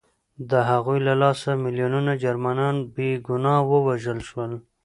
د هغوی له لاسه میلیونونه جرمنان بې ګناه ووژل شول